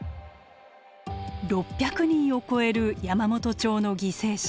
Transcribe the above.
６００人を超える山元町の犠牲者。